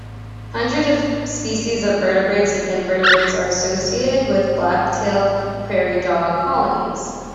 Hundreds of species of vertebrates and invertebrates are associated with black-tailed prairie dog colonies.